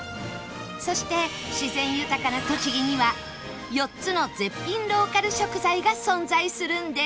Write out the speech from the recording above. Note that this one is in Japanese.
そして自然豊かな栃木には４つの絶品ローカル食材が存在するんです